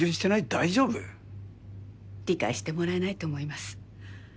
大丈夫？理解してもらえないと思います。